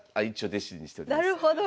なるほど。